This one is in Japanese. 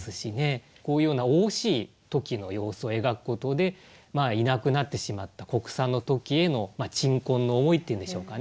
こういうような雄々しい桃花鳥の様子を描くことでいなくなってしまった国産の桃花鳥への鎮魂の思いっていうんでしょうかね。